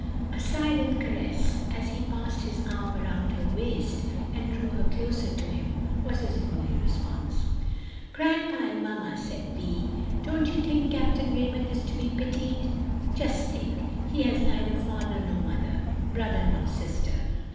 A silent caress as he passed his arm around her waist and drew her closer to him was his only response. "Grandpa and mamma," said Vi, "don't you think Capt. Raymond is to be pitied? Just think! he has neither father nor mother, brother nor sister!